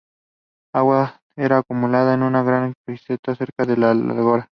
El agua era acumulada en una gran cisterna cerca del ágora.